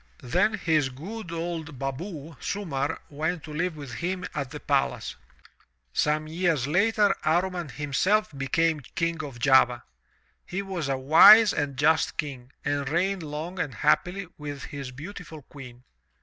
Then his good old baboo, Sumarr, went to live with him at the palace. Some years later, Amman himself became King of Java. He was a wise and just King and reigned long and happily with his beautiful Queen.